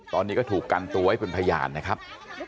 ตอนนี้ก็ถูกกันตัวไว้เป็นพยานนะครับ